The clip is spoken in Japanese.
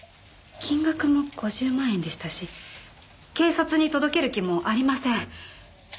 金額も５０万円でしたし警察に届ける気もありません。